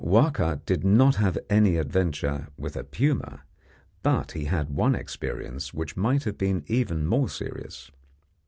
Wahka did not have any adventure with a puma, but he had one experience which might have been even more serious.